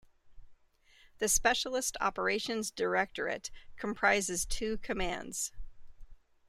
The Specialist Operations Directorate comprises two Commands.